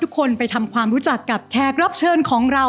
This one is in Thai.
คนไปทำความรู้จักกับแขกรับเชิญของเรา